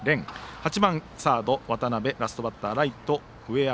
８番サード、渡邊ラストバッター、ライトの上山。